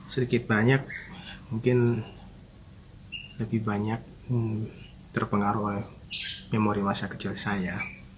sedikit banyak mungkin lebih banyak terpengaruh oleh memori masa kecil saya